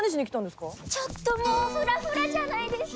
ちょっともうフラフラじゃないですか！